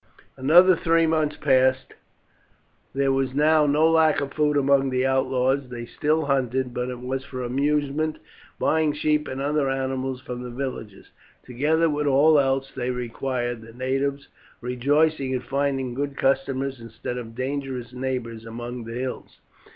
Another three months passed. There was now no lack of food among the outlaws. They still hunted, but it was for amusement, buying sheep and other animals from the villagers, together with all else they required, the natives rejoicing in finding good customers instead of dangerous neighbours among the hills.